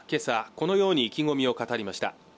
このように意気込みを語りました